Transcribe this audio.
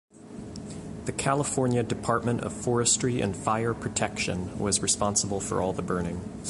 The California Department of Forestry and Fire Protection was responsible for all the burning.